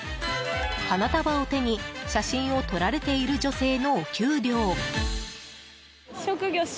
花束を手に写真を撮られている女性のお給料。